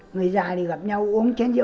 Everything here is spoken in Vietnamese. người già thì gặp nhau uống chén gì